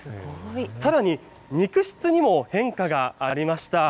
さらに肉質にも変化がありました。